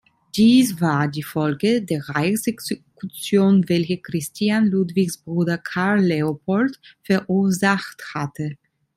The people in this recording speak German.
Dies war die Folge der Reichsexekution, welche Christian Ludwigs Bruder Karl Leopold verursacht hatte.